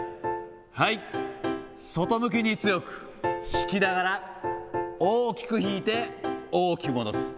はい、外向きに強く、引きながら、大きく引いて、大きく戻す。